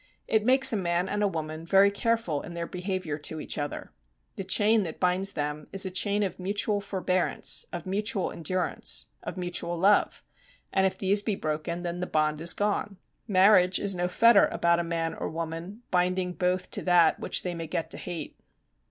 It makes a man and a woman very careful in their behaviour to each other. The chain that binds them is a chain of mutual forbearance, of mutual endurance, of mutual love; and if these be broken, then is the bond gone. Marriage is no fetter about a man or woman, binding both to that which they may get to hate.